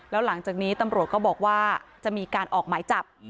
แล้วหลังจากนี้ตำรวจก็บอกว่าจะมีการออกหมายจับ